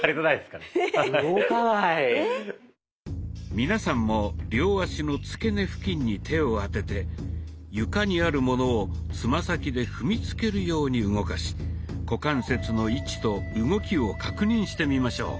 皆さんも両足のつけ根付近に手を当てて床にあるものをつま先で踏みつけるように動かし股関節の位置と動きを確認してみましょう。